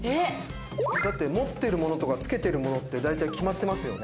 だって持ってるものとかつけてるものってだいたい決まってますよね？